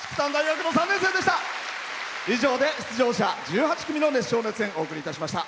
以上で、出場者１８組の熱唱・熱演お送りいたしました。